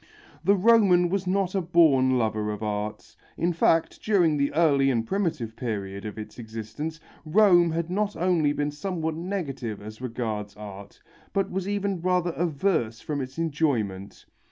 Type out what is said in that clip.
The Roman was not a born lover of art. In fact during the early and primitive period of its existence Rome had not only been somewhat negative as regards art, but was even rather averse from its enjoyment.